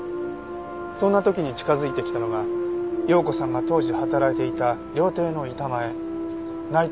そんな時に近づいてきたのが葉子さんが当時働いていた料亭の板前内藤伸二さんでした。